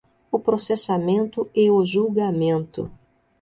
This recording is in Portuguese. o processamento e o julgamento